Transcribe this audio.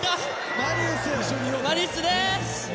マリウスです！